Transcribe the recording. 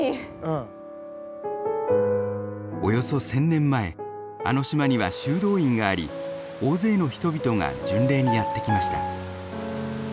およそ１，０００年前あの島には修道院があり大勢の人々が巡礼にやって来ました。